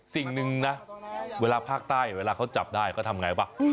สิ่งหนึ่งนะเวลาภาคใต้เวลาเขาจับได้เขาทำไงป่ะ